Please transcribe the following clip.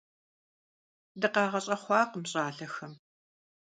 ДыкъагъэщӀэхъуакъым щӀалэхэм.